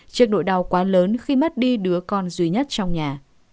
trước nỗi đau quá lớn khi mất đi đứa con duy nhất trong nhà